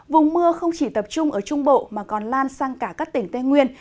vùng mưa không chỉ tập trung ở trung bộ mà còn lan sang cả các tỉnh tây nguyên